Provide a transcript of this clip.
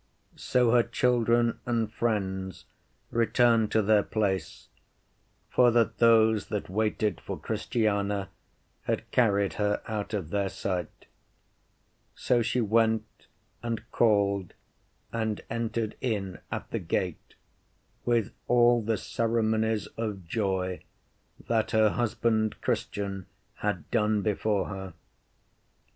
So her children and friends returned to their place, for that those that waited for Christiana had carried her out of their sight. So she went and called and entered in at the gate with all the ceremonies of joy that her husband Christian had done before her.